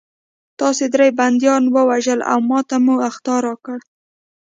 تاسې درې بندیان ووژل او ماته مو اخطار راکړ